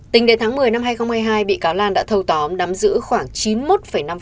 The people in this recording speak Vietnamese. tính đến tháng một mươi năm hai nghìn hai mươi hai bị cáo lan đã thâu tóm nắm giữ khoảng chín mươi một năm